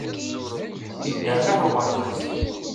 Iderreɛ uɣerbaz.